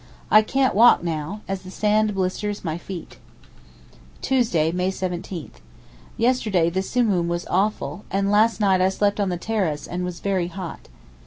I can't walk now, as the sand blisters my feet. Tuesday, May 17.—Yesterday the Simoom was awful, and last night I slept on the terrace, and was very hot.